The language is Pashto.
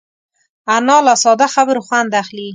انا له ساده خبرو خوند اخلي